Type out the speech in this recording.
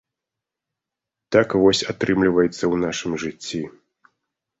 Так вось атрымліваецца ў нашым жыцці.